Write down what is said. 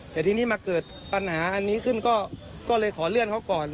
แต่ทีนี้มาเกิดปัญหาอันนี้ขึ้นก็เลยขอเลื่อนเขาก่อน